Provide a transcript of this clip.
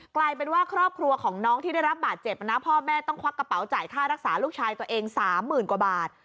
กลายเป็นว่าครอบครัวของน้องที่ได้รับบาดเจ็บนะพ่อแม่ต้องควักกระเป๋าจ่ายค่ารักษาลูกชายตัวเอง๓๐๐๐กว่าบาท